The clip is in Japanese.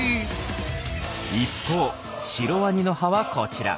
一方シロワニの歯はこちら。